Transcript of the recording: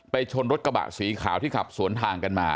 ชนรถกระบะสีขาวที่ขับสวนทางกันมา